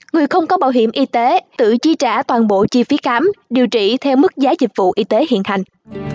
người không có bảo hiểm y tế tự chi trả toàn bộ chi phí khám điều trị theo mức giá dịch vụ y tế hiện hành